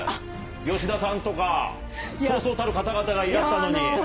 吉田さんとか、そうそうたる方々がいらっしゃるのに。